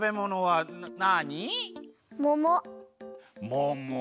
もも。